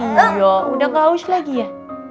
iya udah gak haus lagi ya